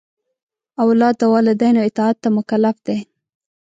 اولاد د والدینو اطاعت ته مکلف دی.